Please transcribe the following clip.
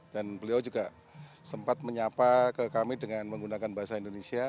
dan beliau juga sempat menyapa ke kami dengan menggunakan bahasa indonesia